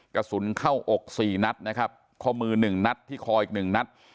กระสุนเข้าอก๔นัดนะครับข้อมือหนึ่งนัดที่คออีกหนึ่งนัด